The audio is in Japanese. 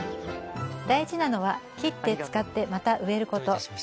大事なのは切って使ってまた植えること。